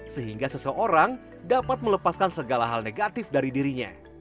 sehingga seseorang dapat melepaskan segala hal negatif dari dirinya